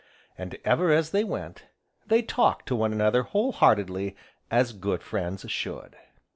And, ever as they went, they talked to one another whole heartedly as good friends should.